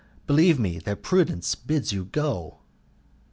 Believe me that prudence bids you go."